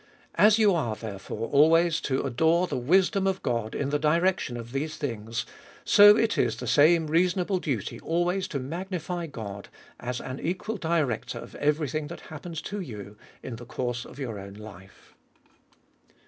As you are, therefore, always to adore the wisdom of God in the direction of these things ; so it is the same reasonable duty always to magnify God, as an equal director of every thing that happens to you, in the course of your own life.